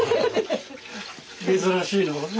珍しいのね。